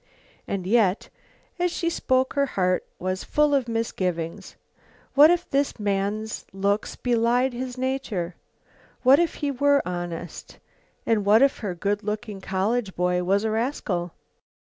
And yet, as she spoke her heart was full of misgivings. What if this man's looks belied his nature? What if he were honest? And what if her good looking college boy was a rascal?